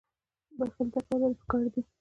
بخښل زده کول ولې پکار دي؟